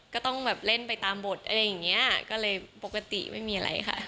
ก็ต้องแบบเล่นไปตามบทอะไรอย่างเงี้ยก็เลยปกติไม่มีอะไรค่ะ